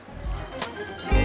meskipun hasil lengkapnya